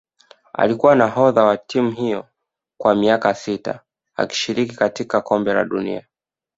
Alikuwa nahodha wa timu hiyo kwa miaka sita akishiriki katika kombe la dunia